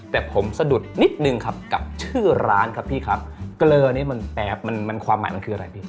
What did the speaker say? แต่ผมสะดุดนิดนึงครับกับชื่อร้านครับพี่ครับเกลอนี้มันแป๊บมันมันความหมายมันคืออะไรพี่